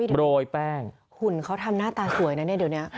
โรยแป้งหุ่นเขาทำหน้าตาสวยนะเนี่ยเดี๋ยวนี้